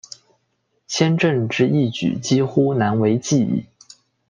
先正之义举几乎难为继矣。